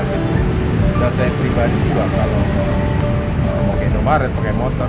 saya pribadi juga kalau pakai indomaret pakai motor